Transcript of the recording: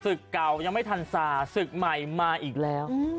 เก่ายังไม่ทันศาศึกใหม่มาอีกแล้ว